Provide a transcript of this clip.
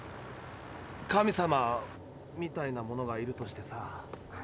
神様みたいなものがいるとしてさ。